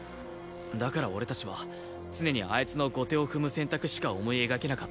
だから俺たちは常にあいつの後手を踏む選択しか思い描けなかった。